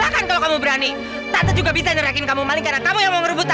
kamu berani juga bisa nyerahin kamu maling karena kamu yang mau rebut